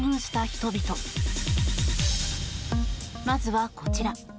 まずはこちら。